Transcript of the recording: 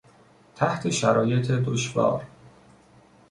تحت شرایط دشوار